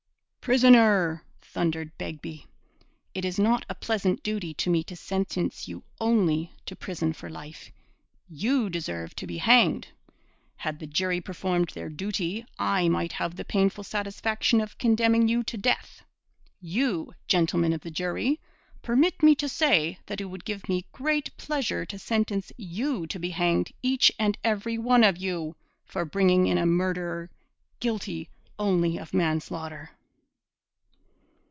'Prisoner,' thundered Begbie, 'it is not a pleasant duty to me to sentence you only to prison for life. You deserve to be hanged. Had the jury performed their duty, I might have the painful satisfaction of condemning you to death. You, gentlemen of the jury, permit me to say that it would give me great pleasure to sentence you to be hanged each and every one of you, for bringing in a murderer guilty only of manslaughter.'